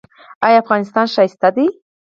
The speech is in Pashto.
آیا افغانستان ښکلی دی؟